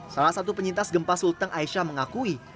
salah satu penyintas gempa sulteng aisyah mengakui